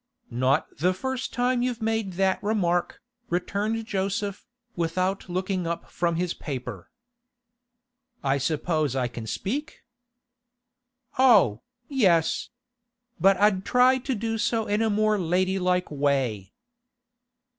'Not the first time you've made that remark,' returned Joseph, without looking up from his paper. 'I suppose I can speak?' 'Oh, yes. But I'd try to do so in a more ladylike way.